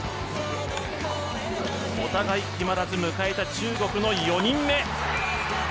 お互い決まらず迎えた中国４人目。